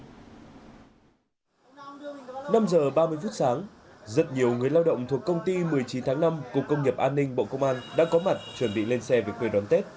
năm giờ ba mươi phút sáng rất nhiều người lao động thuộc công ty một mươi chín tháng năm cục công nghiệp an ninh bộ công an đã có mặt chuẩn bị lên xe về quê đón tết